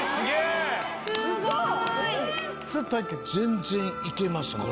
全然いけますこれ。